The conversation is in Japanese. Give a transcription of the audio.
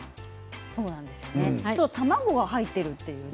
卵が入っているんですね。